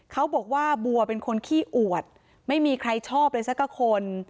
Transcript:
เขาบอกว่าบัวเป็นคนขี้อวดไม่มีใครชอบเลยสักคน